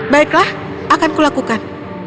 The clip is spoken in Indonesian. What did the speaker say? baiklah akan kulakukan